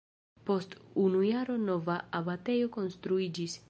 Post unu jaro nova abatejo konstruiĝis.